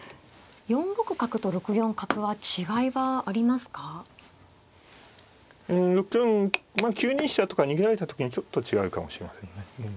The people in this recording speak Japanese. ６四まあ９二飛車とか逃げられた時にちょっと違うかもしれませんね。